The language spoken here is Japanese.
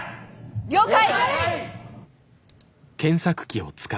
了解！